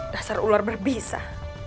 dasar ular berbisa